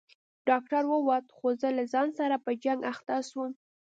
ډاکتر ووت خو زه له ځان سره په جنگ اخته سوم.